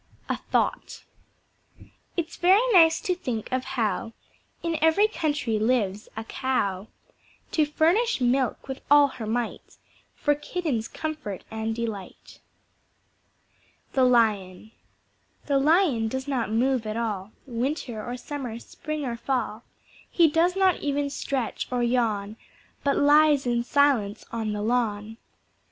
A Thought It's very nice to think of how In every country lives a Cow To furnish milk with all her might For Kittens' comfort and delight. The Lion The Lion does not move at all, Winter or Summer, Spring or Fall, He does not even stretch or yawn, But lies in silence on the lawn.